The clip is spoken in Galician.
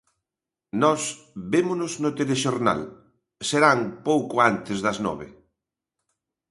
Nós vémonos no Telexornal Serán pouco antes das nove.